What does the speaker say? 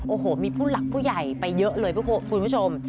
โอ้โหมีผู้หลักผู้ใหญ่ไปเยอะเลยคุณผู้ชม